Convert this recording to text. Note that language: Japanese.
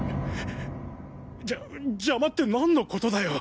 じゃ邪魔って何のことだよ？